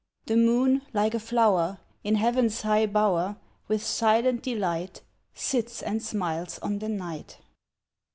The moon, like a flower In heaven's high bower, With silent delight, Sits and smiles on the night.